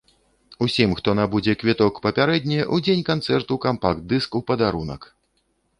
Усім, хто набудзе квіток папярэдне, у дзень канцэрту кампакт-дыск у падарунак!